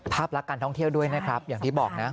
ภาพลักษณ์การท่องเที่ยวด้วยนะครับอย่างที่บอกนะ